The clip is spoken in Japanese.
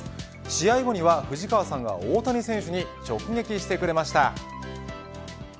試合後には藤川さんが大谷選手に直撃してくれました。